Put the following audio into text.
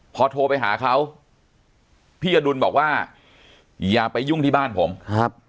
พอโทรไปหาเขาพี่อดุลบอกว่าอย่าไปยุ่งที่บ้านผมครับ